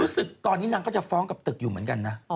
รู้สึกตอนนี้นางก็จะฟ้องกับตึกอยู่เหมือนกันนะ